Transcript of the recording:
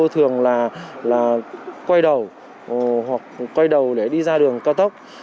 thường là quay đầu hoặc quay đầu để đi ra đường cao tốc